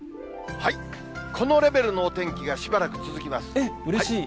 このレベルのお天気がしばらうれしい！